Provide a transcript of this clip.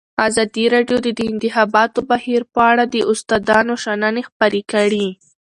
ازادي راډیو د د انتخاباتو بهیر په اړه د استادانو شننې خپرې کړي.